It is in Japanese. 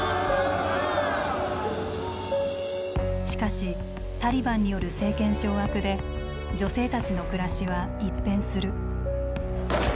しかしタリバンによる政権掌握で女性たちの暮らしは一変する。